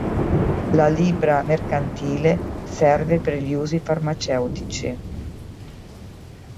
La libbra mercantile serve per gli usi farmaceutici.